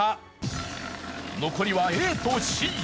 残りはＡとＣ。